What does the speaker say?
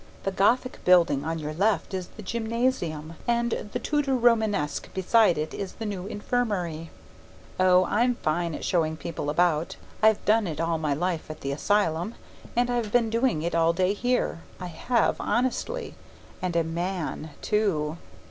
The Gothic building on your left is the gymnasium, and the Tudor Romanesque beside it is the new infirmary.' Oh, I'm fine at showing people about. I've done it all my life at the asylum, and I've been doing it all day here. I have honestly. And a Man, too!